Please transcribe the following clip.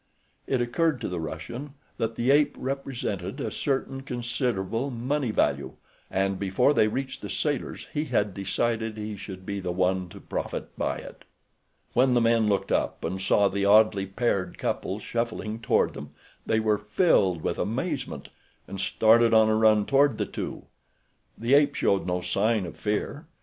It occurred to the Russian that the ape represented a certain considerable money value, and before they reached the sailors he had decided he should be the one to profit by it. When the men looked up and saw the oddly paired couple shuffling toward them they were filled with amazement, and started on a run toward the two. The ape showed no sign of fear.